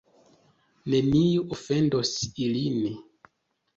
Neniu ofendos ilin.